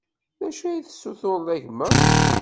D acu i tessutureḍ a gma?